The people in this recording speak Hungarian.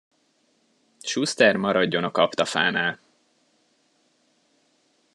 Suszter maradjon a kaptafánál!